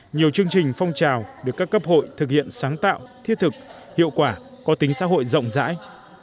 nhiều chương trình phong trào được các cấp hội thực hiện sáng tạo thiết thực hiệu quả có tính xã hội rộng rãi